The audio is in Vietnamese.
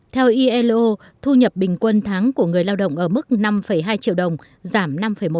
theo ilo thu nhập bình quân tháng của người lao động ở mức năm trong quý ii giảm năm một so với cùng kỳ năm trước